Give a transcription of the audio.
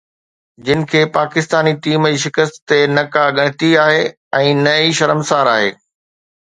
جن کي پاڪستاني ٽيم جي شڪست تي نه ڪا ڳڻتي آهي ۽ نه ئي شرمسار آهي